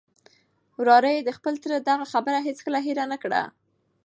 وراره یې د خپل تره دغه خبره هیڅکله هېره نه کړه.